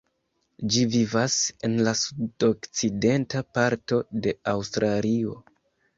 Ĝi vivas en la sudokcidenta parto de Aŭstralio.